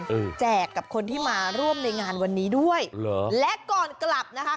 แจกกับคนที่มาร่วมในงานวันนี้ด้วยเหรอและก่อนกลับนะคะ